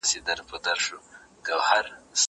دا د کتابتون د کار مرسته ګټوره ده!؟